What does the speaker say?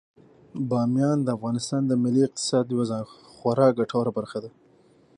بامیان د افغانستان د ملي اقتصاد یوه خورا ګټوره برخه ده.